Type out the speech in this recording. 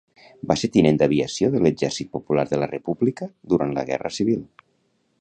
Va ser tinent d'aviació de l'Exèrcit Popular de la República durant la Guerra Civil.